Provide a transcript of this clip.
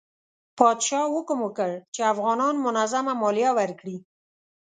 پادشاه حکم وکړ چې افغانان منظمه مالیه ورکړي.